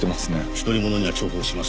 独り者には重宝します。